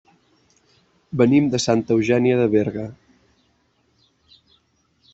Venim de Santa Eugènia de Berga.